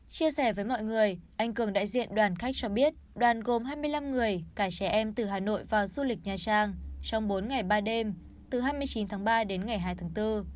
chia sẻ với mọi người anh cường đại diện đoàn khách cho biết đoàn gồm hai mươi năm người cả trẻ em từ hà nội vào du lịch nha trang trong bốn ngày ba đêm từ hai mươi chín tháng ba đến ngày hai tháng bốn